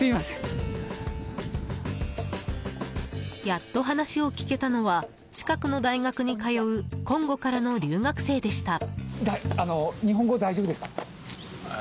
やっと話を聞けたのは近くの大学に通うコンゴからの留学生でした。